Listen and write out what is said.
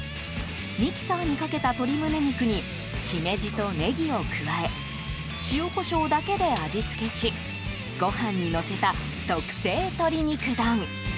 ミキサーにかけた鶏胸肉にシメジとネギを加え塩コショウだけで味付けしご飯にのせた特製鶏肉丼。